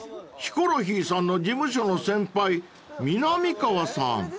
ヒコロヒーさんの事務所の先輩みなみかわさん］